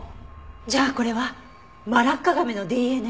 じゃあこれはマラッカガメのＤＮＡ？